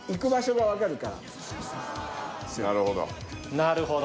なるほど。